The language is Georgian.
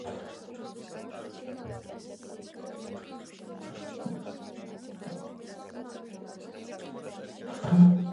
ტრადიციული მუსიკის სხვადასხვა ფორმები ძირითადად განიცდიან აფრიკის სხვა ქვეყნების, განსაკუთრებით, სომალის ხალხური მუსიკის გავლენას.